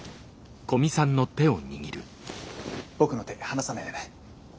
僕の手離さないでね。